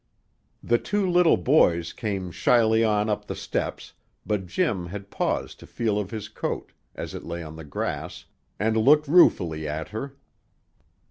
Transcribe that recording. The two little boys came shyly on up the steps, but Jim had paused to feel of his coat, as it lay on the grass, and looked ruefully at her.